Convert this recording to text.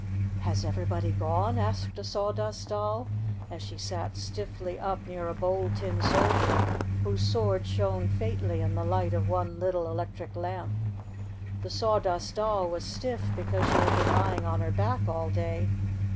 "Has everybody gone? 9 ' nsked a Saw dust Doll, as she sat stiffly up near a Bold Tin Soldier, whose sword shone faintly in the light of one little electric lamp. The Sawdust Doll was stiff because she had been lying on her back all day.